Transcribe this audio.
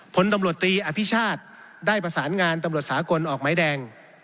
ผลตำรวจตีอภิชาติได้ประสานงานตำรวจสากลออกไม้แดง